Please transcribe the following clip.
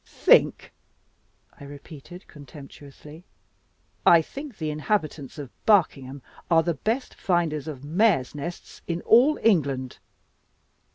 "Think!" I repeated contemptuously; "I think the inhabitants of Barkingham are the best finders of mares' nests in all England.